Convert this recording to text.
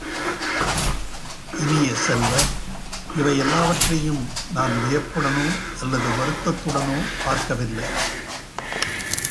இனிய செல்வ, இவையெல்லாவற்றையும் நாம் வியப்புடனோ அல்லது வருத்தத்துடனோ பார்க்கவில்லை!